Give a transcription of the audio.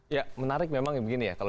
ya menarik memang ya begini ya